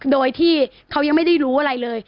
โดยที่เขายังไม่ได้รู้อะไรเลย